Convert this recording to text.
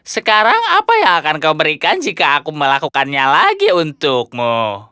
sekarang apa yang akan kau berikan jika aku melakukannya lagi untukmu